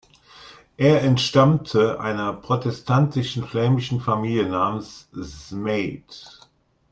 Er entstammte einer protestantischen flämischen Familie namens Smet.